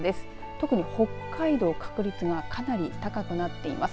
特に北海道、確率がかなり高くなっています。